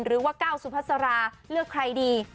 หรือว่าเก้าสุภาษาลาเลือกใครดี